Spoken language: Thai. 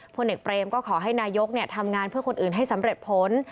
ผลเอกเปรมก็ขอให้นายกทำงานเพื่อคนอื่นให้สำเร็จผล